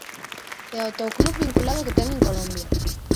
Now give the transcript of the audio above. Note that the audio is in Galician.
E ata o club vinculado que ten en Colombia.